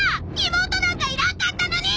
妹なんかいらんかったのに！